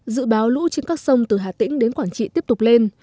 dự báo lũ trên các sông từ hà tĩnh đến quảng trị tiếp tục lên